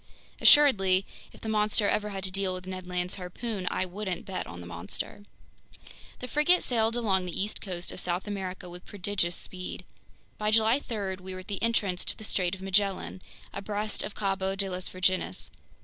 Assuredly, if the monster ever had to deal with Ned Land's harpoon, I wouldn't bet on the monster. The frigate sailed along the east coast of South America with prodigious speed. By July 3 we were at the entrance to the Strait of Magellan, abreast of Cabo de las Virgenes.